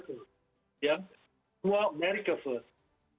trump itu ya semua america first